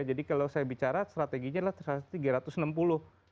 jadi kalau saya bicara strateginya adalah